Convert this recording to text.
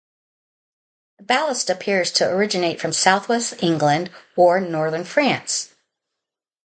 The ballast appears to originate from southwest England or Northern France.